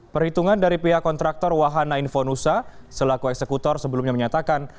perhitungan dari pihak kontraktor wahana infonusa selaku eksekutor sebelumnya menyatakan